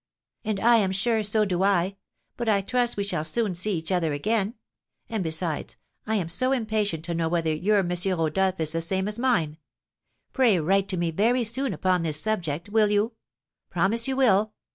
"And, I am sure, so do I; but I trust we shall soon see each other again; and, besides, I am so impatient to know whether your M. Rodolph is the same as mine. Pray write to me very soon upon this subject, will you? Promise you will!"